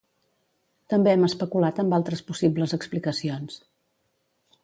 També hem especulat amb altres possibles explicacions.